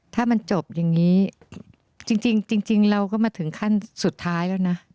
ถ้ามันจบอย่างนี้จริงเราก็มาถึงขั้นสุดท้ายแล้วนะ